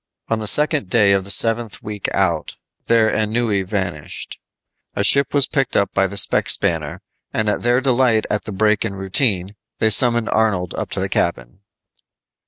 On the second day of the seventh week out, their ennui vanished. A ship was picked up by the spec spanner, and at their delight at the break in routine, they summoned Arnold up to the cabin.